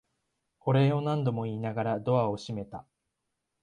お礼を何度も言いながらドアを閉めた。